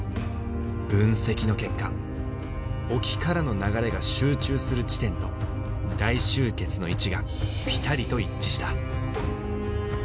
分析の結果沖からの流れが集中する地点と大集結の位置がぴたりと一致した。